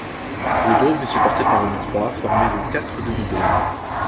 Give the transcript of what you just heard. Le dôme est supporté par une croix formée de quatre demi-dômes.